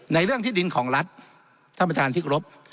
เรื่องที่ดินของรัฐท่านประธานที่กรบ